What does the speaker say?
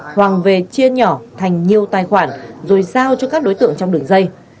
hoàng về chia nhỏ thành nhiều tài khoản rồi giao cho các đối tượng trong đường dây